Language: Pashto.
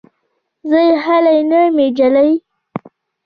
ځي خلې نه مې جلۍ